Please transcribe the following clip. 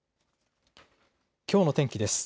きょうの天気です。